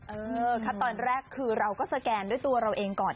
ขั้นตอนแรกคือเราก็สแกนด้วยตัวเราเองก่อน